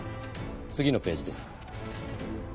次のページです。